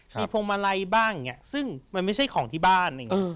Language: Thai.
มีพวงมาลัยบ้างอย่างนี้ซึ่งมันไม่ใช่ของที่บ้าน